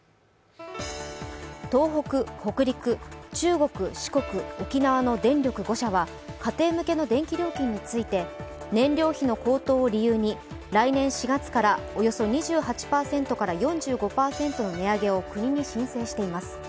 東北、北陸、中国、四国、沖縄の電力５社は家庭向けの電気料金について燃料費の高騰を理由に来年４月からおよそ２８％から４５％の値上げを国に申請しています。